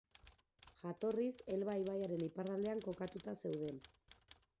Jatorriz Elba ibaiaren iparraldean kokatuta zeuden.